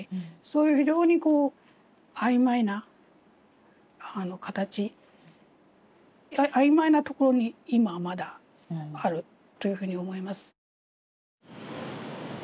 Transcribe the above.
そういう非常にこう曖昧な形曖昧なところに今まだあるというふうに思います。